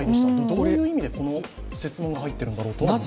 どういう意味でこの設問が入っているんだろうと思いました。